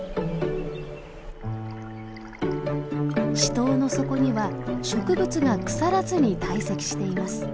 池塘の底には植物が腐らずに堆積しています。